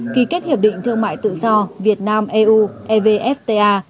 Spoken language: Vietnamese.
ký kết hiệp định thương mại tự do việt nam eu evfta